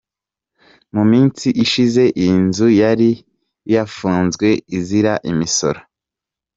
Mu minsi ishize iyi nzu yari yafunzwe izira imisoro.